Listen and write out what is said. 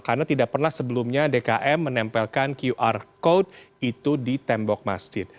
karena tidak pernah sebelumnya dkm menempelkan qr code itu di tembok masjid